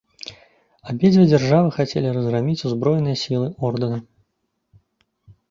Абедзве дзяржавы хацелі разграміць узброеныя сілы ордэна.